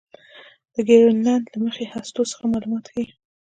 د ګرینلنډ له یخي هستو څخه معلومات ښيي.